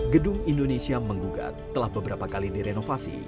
gedung indonesia menggugat telah beberapa kali direnovasi